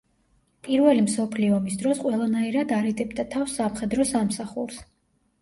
პირველი მსოფლიო ომის დროს ყველანაირად არიდებდა თავს სამხედრო სამსახურს.